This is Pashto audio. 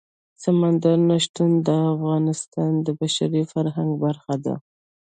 سمندر نه شتون د افغانستان د بشري فرهنګ برخه ده.